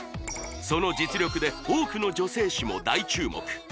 その実力で多くの女性誌も大注目